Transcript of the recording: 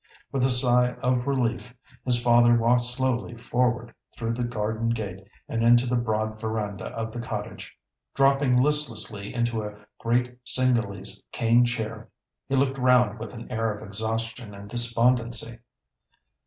With a sigh of relief, his father walked slowly forward through the garden gate and into the broad verandah of the cottage. Dropping listlessly into a great Cingalese cane chair, he looked round with an air of exhaustion and despondency.